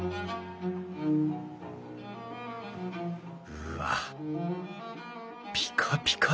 うわっピカピカだ。